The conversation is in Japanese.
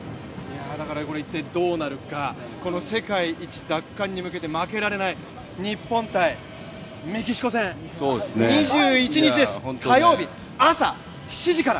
どうなるか、世界一奪還に向けて負けられない日本×メキシコ戦。２１日です、火曜日朝７時から。